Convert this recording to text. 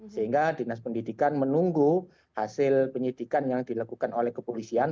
sehingga dinas pendidikan menunggu hasil penyidikan yang dilakukan oleh kepolisian